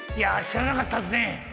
知らなかったですね。